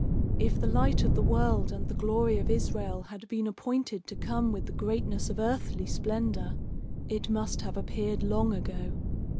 If the light of the world and the glory of Israel had been appointed to come with the greatness of earthly splendour, it must have appeared long ago.